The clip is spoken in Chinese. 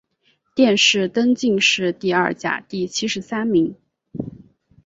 殿试登进士第二甲第七十三名。